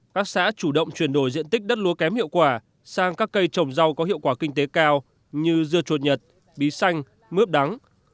các xã chủ động chuyển đổi diện tích đất lúa kém hiệu quả sang các cây trồng rau có hiệu quả kinh tế cao như dưa chuột nhật bí xanh mướp đắng